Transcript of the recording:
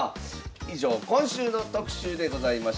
以上今週の特集でございました。